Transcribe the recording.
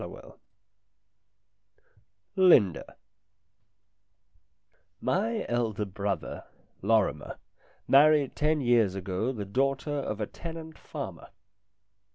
"] LINDA MY elder brother, Lorrimer, married ten years ago the daughter of a tenant farmer.